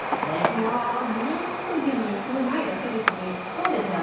いや２筋に歩ないだけですね。